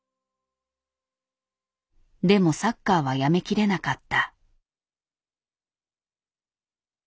でもサッカーはやめきれなかった。